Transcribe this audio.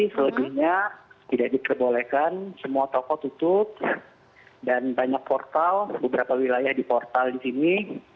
selebihnya tidak diperbolehkan semua toko tutup dan banyak portal beberapa wilayah di portal di sini